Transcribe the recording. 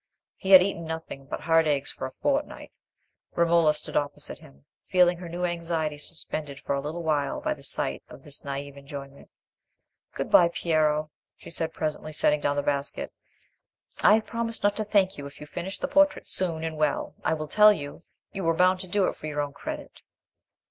He had eaten nothing but hard eggs for a fortnight. Romola stood opposite him, feeling her new anxiety suspended for a little while by the sight of this naïve enjoyment. "Good bye, Piero," she said, presently, setting down the basket. "I promise not to thank you if you finish the portrait soon and well I will tell you, you were bound to do it for your own credit."